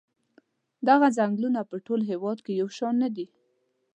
دغه څنګلونه په ټول هېواد کې یو شان نه دي.